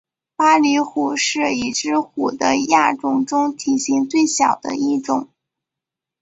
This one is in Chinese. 巴厘虎是已知虎的亚种中体型最小的一种。